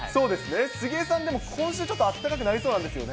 杉江さん、今週、ちょっとあったかくなりそうなんですよね。